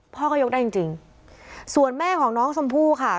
พ่อก็ยกได้จริงจริงส่วนแม่ของน้องชมพู่ค่ะ